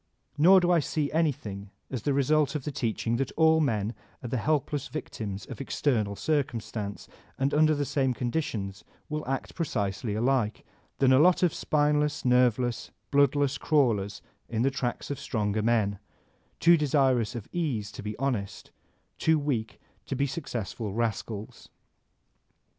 Nor do I see any thing as the result of the teaching that all men are the helpless victims of external circumstance and under Uie same conditions will act precisely alike, than a lot of spineless, nerveless, bloodless crawlers in the tracks of stronger men, — too desirous of ease to be honest, too weak to be successful rascals.